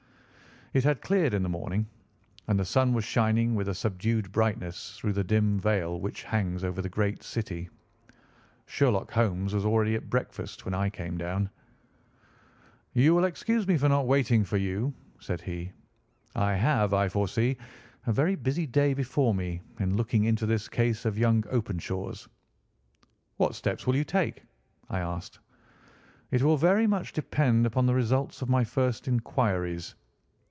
It had cleared in the morning, and the sun was shining with a subdued brightness through the dim veil which hangs over the great city. Sherlock Holmes was already at breakfast when I came down. "You will excuse me for not waiting for you," said he; "I have, I foresee, a very busy day before me in looking into this case of young Openshaw's." "What steps will you take?" I asked. "It will very much depend upon the results of my first inquiries.